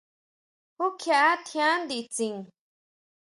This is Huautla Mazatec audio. ¿Jú kjiʼá tjián nditsin?